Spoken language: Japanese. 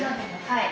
はい。